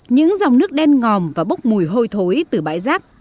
những dòng nước đen ngòm và bốc mùi hôi thối từ bãi rác